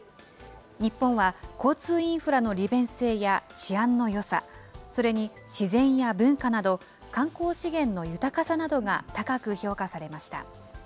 日本は交通インフラの利便性や治安のよさ、それに自然や文化など、観光資源の豊かさなどが高く評価されました。